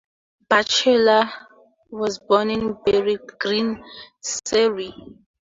Batchelor was born in Beare Green, Surrey.